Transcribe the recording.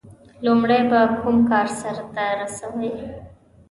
• لومړی به کوم کار سر ته رسوي؟